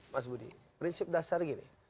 masyarakat itu tidak lagi masyarakat yang bodoh